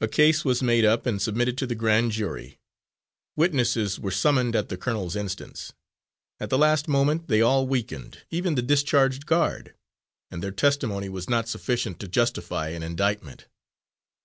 A case was made up and submitted to the grand jury. Witnesses were summoned at the colonel's instance. At the last moment they all weakened, even the discharged guard, and their testimony was not sufficient to justify an indictment.